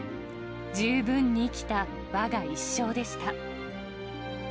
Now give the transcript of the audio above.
十分に生きたわが一生でした。